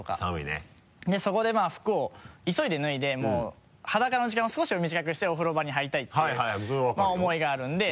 でそこでまぁ服を急いで脱いでもう裸の時間を少しでも短くしてお風呂場に入りたいっていう思いがあるんで。